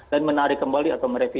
dan menarik kembali atau mereview